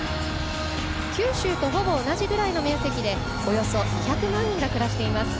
九州と、ほぼ同じくらいの面積でおよそ２００万人が暮らしています。